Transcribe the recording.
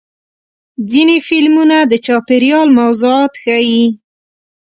ځینې فلمونه د چاپېریال موضوعات ښیي.